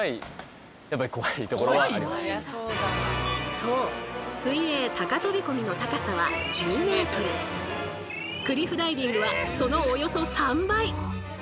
そう水泳高飛び込みの高さはクリフダイビングはそのおよそ３倍！